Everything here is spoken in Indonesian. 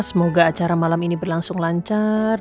semoga acara malam ini berlangsung lancar